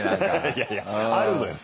いやいやあるのよ